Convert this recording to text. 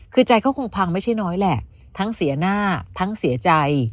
คือใจเขาคงพังไม่ใช่น้อยแหละทั้งเสียหน้าทั้งเสียใจ